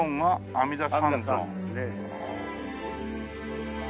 阿弥陀さんですね。